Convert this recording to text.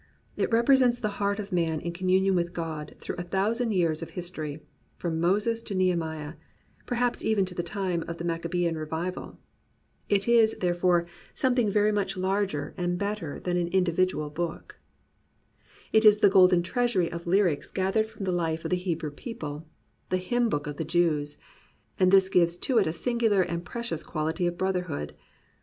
It represents the heart of man in communion with God through a thousand years of history, from Moses to Nehemiah, perhaps even to the time of the Maccabean revival. It is, therefore, something 48 POETRY IN THE PSALMS very much larger and better than an individual book. It is the golden treasury of lyrics gathered from the Ufe of the Hebrew people, the hymn book of the Jews. And this gives to it a singular and pre cious quality of brotherhood.